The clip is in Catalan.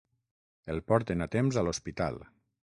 El porten a temps a l'hospital.